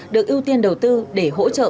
được ưu tiên đầu tư để hỗ trợ